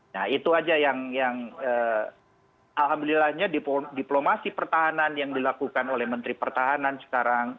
nah itu aja yang alhamdulillahnya diplomasi pertahanan yang dilakukan oleh menteri pertahanan sekarang